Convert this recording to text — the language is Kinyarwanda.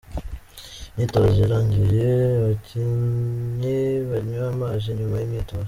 Imyitozo irangiye abakinnyi banywa amazi nyuma y'imyitozo.